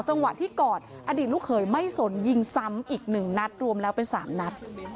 จังหวะที่กอดอดีตลูกเขยไม่สนยิงซ้ำอีก๑นัดรวมแล้วเป็น๓นัด